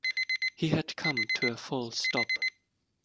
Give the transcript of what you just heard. He had come to a full stop